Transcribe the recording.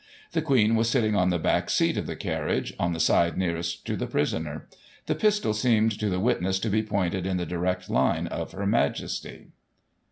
The Queen was sitting on the back seat of the carriage, on the side nearest to the prisoner. The pistol seemed to the witness to be pointed in the direct line of Her Majesty."